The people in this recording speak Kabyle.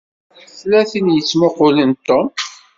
Tella tin i yettmuqqulen Tom.